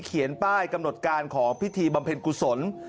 เขียนป้ายกำหนดการของพิธีบำเพ็ญกุศล